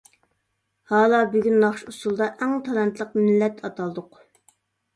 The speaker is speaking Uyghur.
ھالا بۈگۈن ناخشا-ئۇسسۇلدا، ئەڭ تالانتلىق مىللەت ئاتالدۇق.